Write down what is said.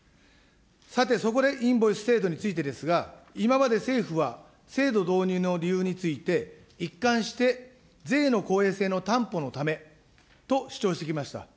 さて、そこでインボイス制度についてですが、今まで政府は制度導入の理由について、一貫して、税の公平性の担保のためと主張してきました。